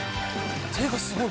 手がすごい。